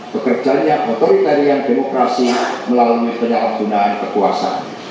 bekerjanya otoritarian demokrasi melalui penyalahgunaan kekuasaan